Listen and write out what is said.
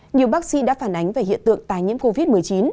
nhiều bác sĩ đã phản ánh về hiện tượng tài nhiễm covid một mươi chín